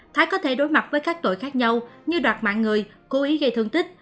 thái có thể đối mặt với các tội khác nhau như đoạt mạng người cố ý gây thương tích